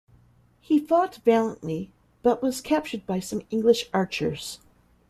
He fought valiantly but was captured by some English archers.